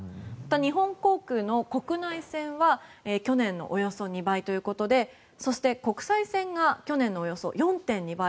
日本航空の国内線は去年のおよそ２倍ということでそして国際線が去年のおよそ４．２倍。